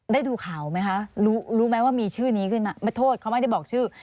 ได้ดูข่าวไหมคะรู้รู้ไหมว่ามีชื่อนี้ขึ้นมาไม่โทษเขาไม่ได้บอกชื่อ